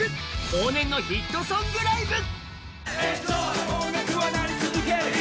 往年のヒットソングライブ。